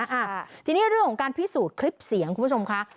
ค่ะทีนี้เรื่องของการพิสูจน์คลิปเสียงคุณผู้ชมค่ะ